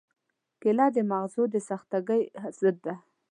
کېله د مغزو د خستګۍ ضد ده.